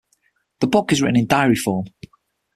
The book is written in diary form.